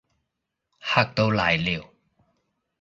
嚇到瀨尿